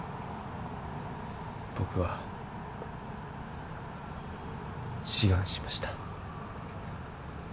僕は志願しました。